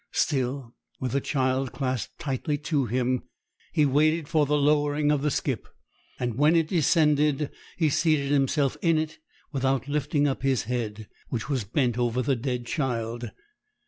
Still, with the child clasped tightly to him, he waited for the lowering of the skip, and when it descended, he seated himself in it without lifting up his head, which was bent over the dead child.